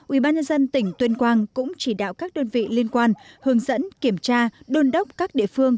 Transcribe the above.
ubnd tỉnh tuyên quang cũng chỉ đạo các đơn vị liên quan hướng dẫn kiểm tra đôn đốc các địa phương